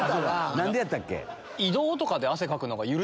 何でやったっけ？